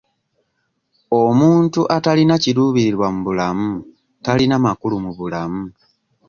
Omuntu atalina kiruubirirwa mu bulamu talina makulu mu bulamu.